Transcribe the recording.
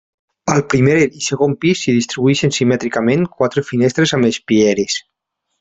Al primer i segon pis s'hi distribueixen simètricament quatre finestres amb espieres.